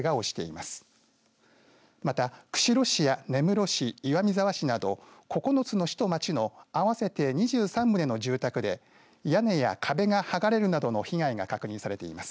また釧路市や根室市岩見沢市など９つの市と町の合わせて２３棟の住宅で屋根や壁がはがれるなどの被害が確認されています。